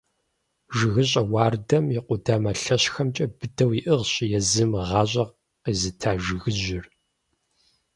ЖыгыщӀэ уардэм и къудамэ лъэщхэмкӀэ быдэу иӀыгъщ езым гъащӀэ къезыта жыгыжьыр.